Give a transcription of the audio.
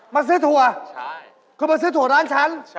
มาซื้อถั่วจ้ะ